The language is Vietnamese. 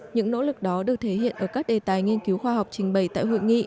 những nỗ lực đó được thể hiện ở các đề tài nghiên cứu khoa học trình bày tại hội nghị